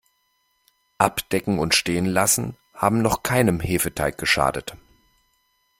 Abdecken und stehen lassen haben noch keinem Hefeteig geschadet.